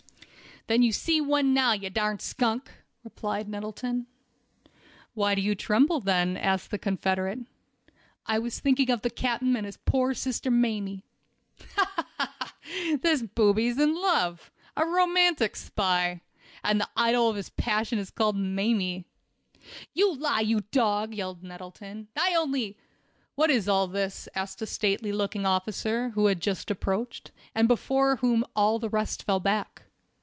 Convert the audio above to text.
"Then you see one now, you darn skunk," replied Nettleton. "Why do you tremble, then?" asked the Confederate. "I was thinking of the captain, and of his poor sister 'Mamie.'" "Ha! ha! ha! This booby is in love. A romantic spy. And the idol of his passion is called 'Mamie!'" "You lie, you dog!" yelled Nettleton. "I only—" "What is all this?" asked a stately looking officer, who had just approached, and before whom all the rest fell back.